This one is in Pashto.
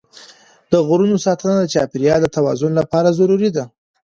د غرونو ساتنه د چاپېریال د توازن لپاره ضروري ده.